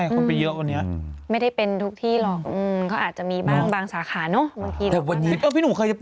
เค้าก็อาจจะมีบ้านคือบางสาขานเนอะ